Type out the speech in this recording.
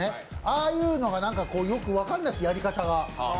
ああいうのがよく分かんなくて、やり方が。